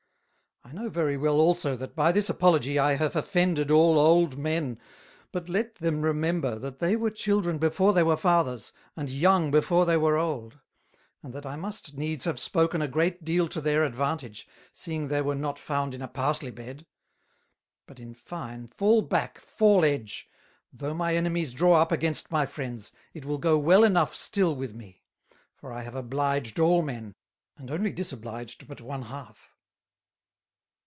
I know very well also that by this Apology I have offended all Old men: But let them remember, that they were Children before they were Fathers, and Young before they were Old; and that I must needs have spoken a great deal to their advantage, seeing they were not found in a Parsley bed: But, in fine, fall back, fall edge, though my Enemies draw up against my Friends, it will go well enough still with me; for I have obliged all men, and only disobliged but one half."